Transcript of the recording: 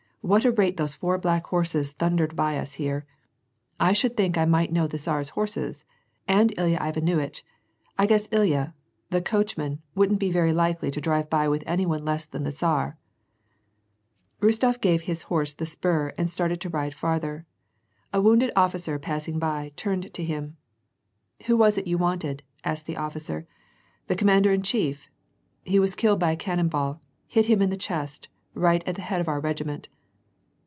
what a rate those four black horses thundered by us here ; I should think I might know the Tsar's horses, and Ilya Ivsr nuitch ! I guess Ilya, the coachman, wouldn't be very likely to drive by with any one less than the Tsar !" Aostof gave his horse the spur and started to ride farther. A woiinded officer passing by, turned to him. "Who was it you wanted," asked the officer; "the com mander in chief ? He was killed by a cannon ball ; hit him in the chest, right at the head of our regiment."